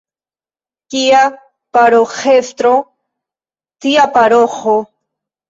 Kia paroĥestro, tia paroĥo.